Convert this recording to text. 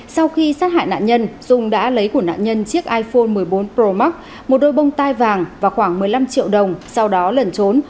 sau khi sát hại nạn nhân dung đã lấy của nạn nhân chiếc iphone một mươi bốn pro max một đôi bông tai vàng và khoảng một mươi năm triệu đồng sau đó lẩn trốn